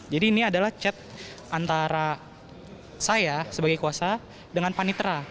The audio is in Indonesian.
jadi ini adalah chat antara saya sebagai kuasa dengan panitra